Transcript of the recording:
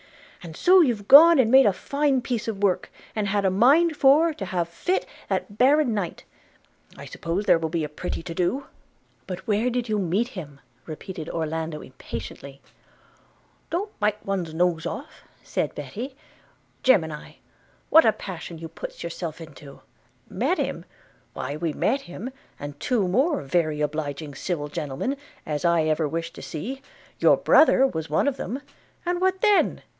And so you've gone and made a fine piece of work, and had a mind for to have fit that baron knight – I suppose there will be a pretty to do!' 'But where did you meet him?' repeated Orlando impatiently. 'Don't bite one's nose off,' said Betty: 'Gemini! what a passion you puts yourself into – Met him! – why we met him, and two more very obliging civil gentlemen as I ever wish to see; your brother was one of them, and what then?